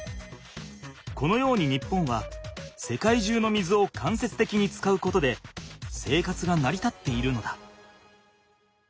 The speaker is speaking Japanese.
このように日本は世界中の水を間接的に使うことで生活がなりたっているのだ。